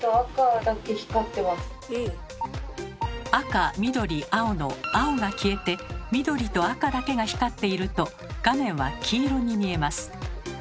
赤緑青の青が消えて緑と赤だけが光っていると画面は黄色に見えます。